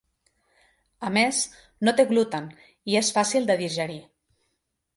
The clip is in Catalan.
A més, no té gluten i és fàcil de digerir.